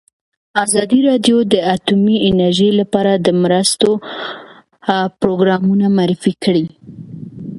ازادي راډیو د اټومي انرژي لپاره د مرستو پروګرامونه معرفي کړي.